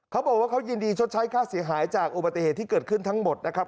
เขาบอกว่าเขายินดีชดใช้ค่าเสียหายจากอุบัติเหตุที่เกิดขึ้นทั้งหมดนะครับ